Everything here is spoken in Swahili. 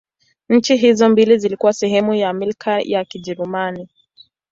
Nchi hizo mbili zilikuwa sehemu ya Milki ya Kijerumani.